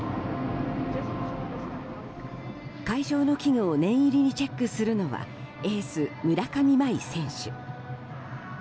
会場の器具を念入りにチェックするのはエース、村上茉愛選手。